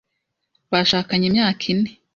Bashakanye imyaka ine.